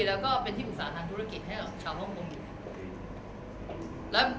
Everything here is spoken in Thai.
แล้วก็เป็นที่ปรึกษาทางธุรกิจให้กับชาวฮ่องกง